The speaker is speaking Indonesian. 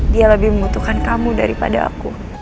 dia lebih membutuhkan kamu daripada aku